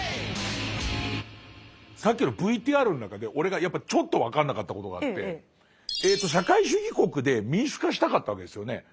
さっきのＶＴＲの中で俺がちょっと分かんなかったことがあって社会主義国で民主化したかったわけですよね。